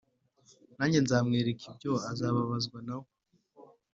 nanjye nzamwereka ibyo azababazwa na we